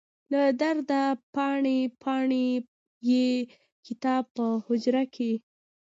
له درده پاڼې، پاڼې یې کتاب په حجره کې